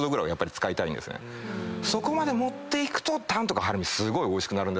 そこまで持っていくとタンとかハラミおいしくなる。